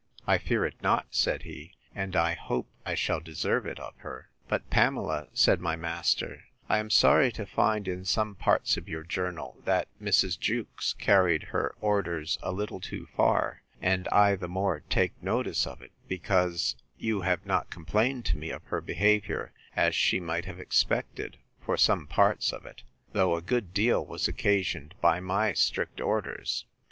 I fear it not, said he; and I hope I shall deserve it of her. But, Pamela, said my master, I am sorry to find in some parts of your journal, that Mrs. Jewkes carried her orders a little too far: and I the more take notice of it, because you have not complained to me of her behaviour, as she might have expected for some parts of it; though a good deal was occasioned by my strict orders.